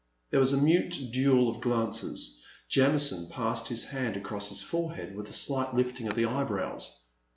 There was a mute duel of glances. Jamison passed his hand across his forehead with a slight lifting of the eyebrows.